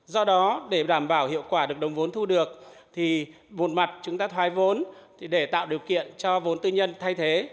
do đó để đảm bảo hiệu quả được đồng vốn thu được thì buồn mặt chúng ta thoái vốn để tạo điều kiện cho vốn tư nhân thay thế